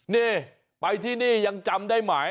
นี่ไปที่นี่ยังจำได้ไหม